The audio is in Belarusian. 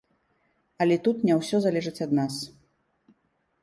Але тут не ўсё залежыць ад нас.